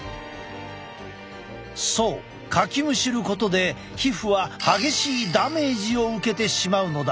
そうかきむしることで皮膚は激しいダメージを受けてしまうのだ。